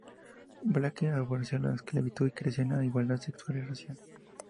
Blake aborrecía la esclavitud y creía en la igualdad sexual y racial.